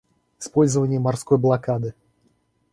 Использование морской блокады.